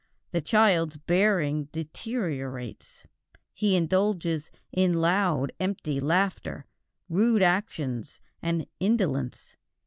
The child's bearing deteriorates, he indulges in loud, empty laughter, rude actions, and indolence.